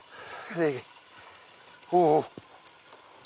お！